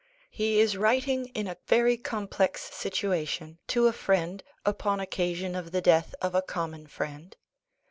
He is writing in a very complex situation to a friend, upon occasion of the death of a common friend.